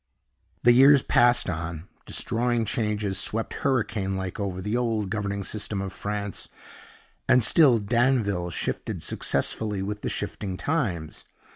The years passed on; destroying changes swept hurricane like over the old governing system of France; and still Danville shifted successfully with the shifting times.